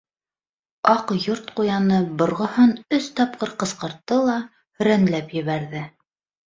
Аҡ Йорт ҡуяны борғоһон өс тапҡыр ҡысҡыртты ла һөрәнләп ебәрҙе: